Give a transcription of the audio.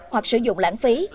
hoặc sử dụng lãng phí